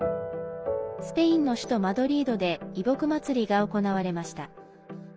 スペインの首都マドリードで移牧祭りが行われました。